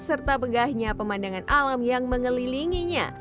serta pegahnya pemandangan alam yang mengelilinginya